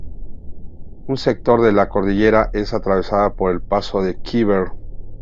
Un sector de la cordillera es atravesada por el paso de Khyber.